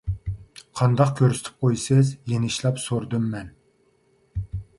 -قانداق كۆرسىتىپ قويىسىز؟ -يېنىشلاپ سورىدىم مەن.